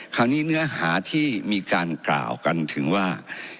เนื้อหาที่มีการกล่าวกันถึงว่า